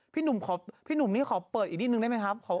พี่หนุ่มนี่ขอเปิดอีกนิดนึงได้ไหมครับ